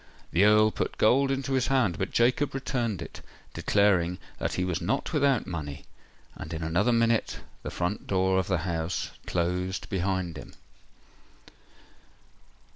The Earl put gold into his hand; but Jacob returned it, declaring that he was not without money; and in another minute the front door of the house closed behind him.